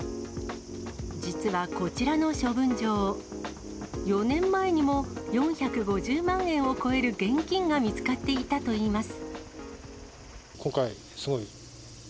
実はこちらの処分場、４年前にも４５０万円を超える現金が見つかっていたといいます。